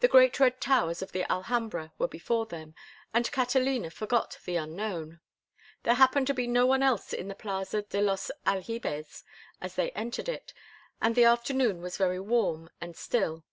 The great red towers of the Alhambra were before them, and Catalina forgot the Unknown. There happened to be no one else in the Plaza de los Aljibes as they entered it, and the afternoon was very warm and still.